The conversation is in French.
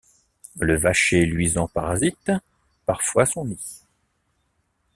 Le Vacher luisant parasite parfois son nid.